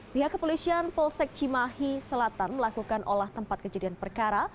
pihak kepolisian polsek cimahi selatan melakukan olah tempat kejadian perkara